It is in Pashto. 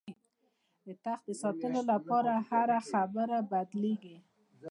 د تخت د ساتلو لپاره هره خبره بدلېږي.